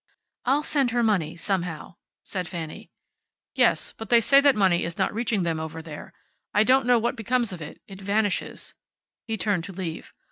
"I'll send her money, somehow," said Fanny. "Yes. But they say that money is not reaching them over there. I don't know what becomes of it. It vanishes." He turned to leave.